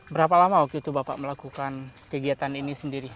berapa lama waktu itu bapak melakukan kegiatan ini sendiri